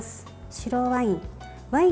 白ワイン。